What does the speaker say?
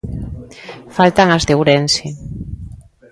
Faltan as de Ourense.